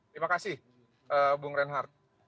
terima kasih bung renhard